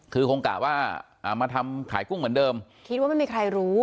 คือคงกะว่าอ่ามาทำขายกุ้งเหมือนเดิมคิดว่าไม่มีใครรู้